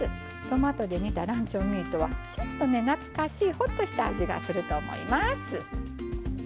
トマトで煮たランチョンミートはちょっと懐かしいホッとした味がすると思います。